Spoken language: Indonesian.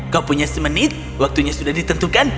kok punya semenit waktunya sudah ditentukan